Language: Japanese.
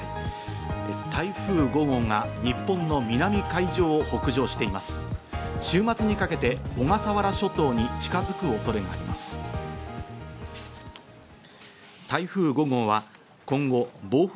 台風５号が日本の南海上を北上しています。